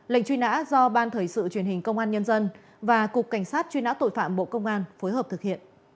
lệnh truy nã do ban thời sự truyền hình công an nhân dân và cục cảnh sát truy nã tội phạm bộ công an phối hợp thực hiện